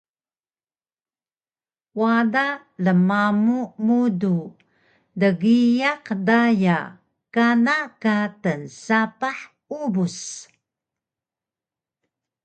Wada lmamu mudu dgiyaq daya kana ka tnsapah Ubus